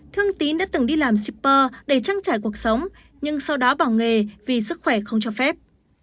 thương tín đã từng đi làm shipper để trang trải cuộc sống nhưng sau đó bỏ nghề vì sức khỏe không cho phép